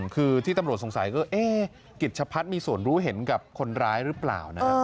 คือที่ตำรวจสงสัยกริจชะพัดเป็นคนร้ายหรือเปล่า